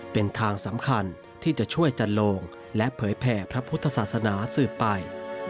เป็นทางสำคัญที่จะช่วยจันโลงและเผยแผ่พระพุทธศาสนาสืบไป